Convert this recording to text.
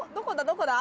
どこだ？